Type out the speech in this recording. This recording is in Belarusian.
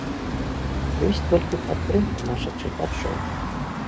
Ёсць толькі падтрымка нашых чытачоў.